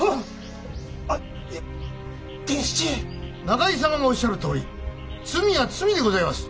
仲井様のおっしゃるとおり罪は罪でごぜえます。